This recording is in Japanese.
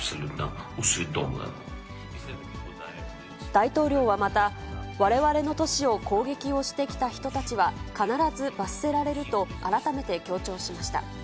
大統領はまた、われわれの都市を攻撃をしてきた人たちは必ず罰せられると、改めて強調しました。